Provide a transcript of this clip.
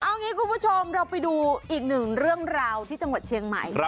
เอางี้คุณผู้ชมเราไปดูอีกหนึ่งเรื่องราวที่จังหวัดเชียงใหม่